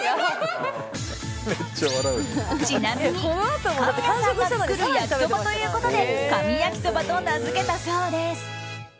ちなみに神谷さんが作る焼きそばということで神焼きそばと名付けたそうです。